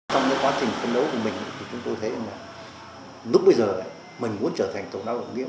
trong quá trình phân đấu của mình thì chúng tôi thấy là lúc bây giờ mình muốn trở thành tổ lao động sản